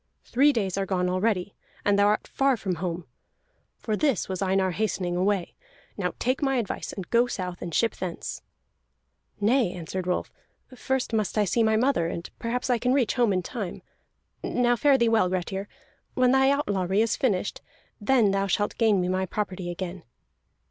Three days are gone already, and thou art far from home. For this was Einar hastening away. Now take my advice, and go south, and ship thence." "Nay," answered Rolf, "first I must see my mother, and perhaps I can reach home in time. Now fare thee well, Grettir. When thy outlawry is finished, then thou shalt gain me my property again."